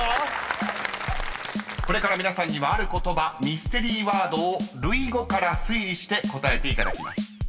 ［これから皆さんにはある言葉ミステリーワードを類語から推理して答えていただきます］